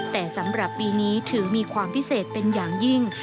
แต่สำหรับปีนี้ถือมีความพิเศษเป็นอย่างยิ่ง